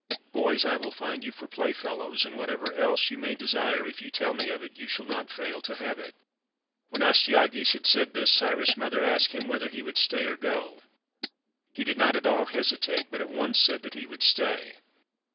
Boys I will find you for playfellows; and whatever else you may desire, if you tell me of it, you shall not fail to have it." When Astyages had said this, Cyrus's mother asked him whether he would stay or go. He did not at all hesi tate, but at once said that he would stay.